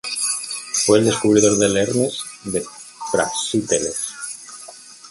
Fue el descubridor del "Hermes" de Praxíteles.